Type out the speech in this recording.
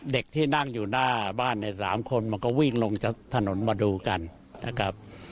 เด็กที่นั่งอยู่หน้าบ้านใน๓คนมันก็วิ่งลงจากถนนมาดูกันนะครับ